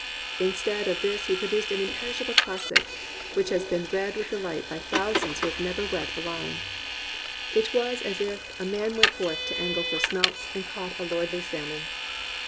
Instead of this he produced an imperishable classic, which has been read with de light by thousands who have never wet a line. It was as if a man went forth to angle for smelts and caught a lordly salmon.